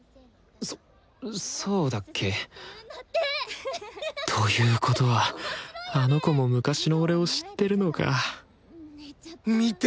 そそうだっけ？ということはあの子も昔の俺を知ってるのか見て！